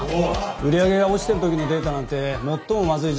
売り上げが落ちてる時のデータなんて最もまずい時期のものだよな。